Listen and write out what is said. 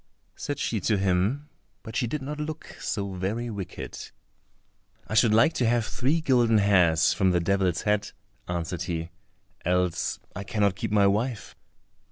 said she to him, but she did not look so very wicked. "I should like to have three golden hairs from the devil's head," answered he, "else I cannot keep my wife."